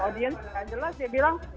audiens jelas dia bilang